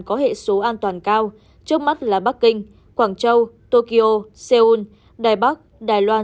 có hệ số an toàn cao trước mắt là bắc kinh quảng châu tokyo seoul đài bắc đài loan